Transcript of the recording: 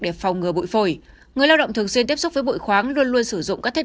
để phòng ngừa bụi phổi người lao động thường xuyên tiếp xúc với bụi khoáng luôn luôn sử dụng các thiết